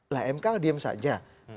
nah mk diam saja